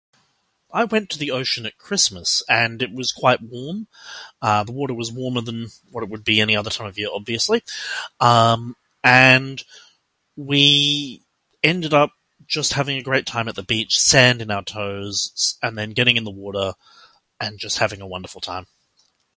I went to the ocean at Christmas and it was quite warm. Uh, the water was warmer than what it would be any other time of the year, obviously. Um, and we ended up just having a great time at the beach, sand in our toes, and then getting in the water and just having a wonderful time.